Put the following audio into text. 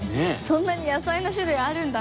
そんなに野菜の種類あるんだ。